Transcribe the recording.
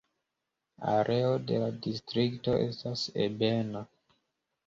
Areo de la distrikto estas ebena.